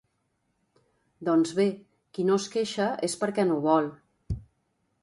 Doncs bé, qui no es queixa és perquè no vol!